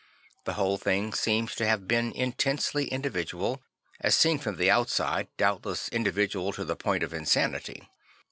The whole thing seems to have been intensely individual, as seen from the outside doubtless individual to the point of insanity.